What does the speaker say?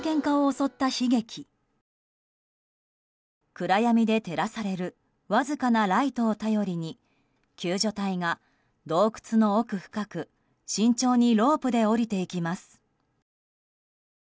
暗闇で照らされるわずかなライトを頼りに救助隊が洞窟の奥深く慎重にロープで下りていきます。